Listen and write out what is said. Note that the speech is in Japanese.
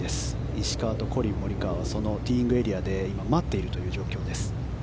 石川とコリン・モリカワはそのティーイングエリアで今、待っているという状況です。